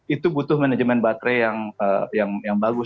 itu butuh manajemen baterai yang bagus